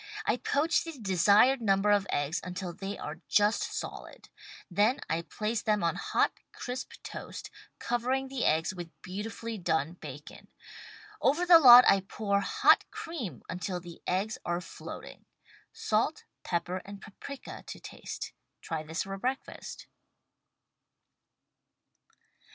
I poach the desired number of eggs until they are just solid. Then I place them on hot, crisp toast, covering the eggs with beautifully done bacon. Over the lot, I pour hot cream until the eggs are floating. Salt, pepper and paprika to taste. Try this for breakfast.